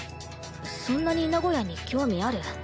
そんなに名古屋に興味ある？